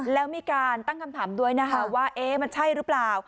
แล้วมีการตั้งคำถามด้วยนะคะว่ามันใช่หรือเปล่า